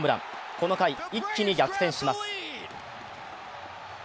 この回、一気に逆転します。